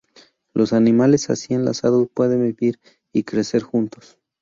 Los animales así enlazados pueden vivir y crecer juntos.